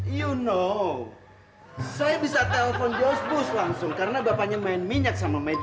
anda tahu saya bisa telepon ke osbus langsung karena bapaknya main minyak sama ayah saya